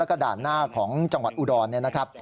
และกระด่านหน้าของจังหวัดอุดรนะครับ